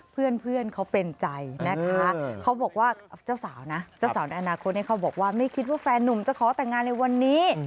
เพื่อนเขาเป็นใจนะคะเขาบอกว่าเจ้าสาวนะเจ้าสาวในอนาคตเขาบอกว่าไม่คิดว่าแฟนนุ่มจะขอแต่งงานในวันนี้